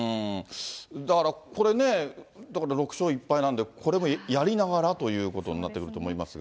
だから、これね、だから６勝１敗なんで、これもやりながらということになってくると思いますが。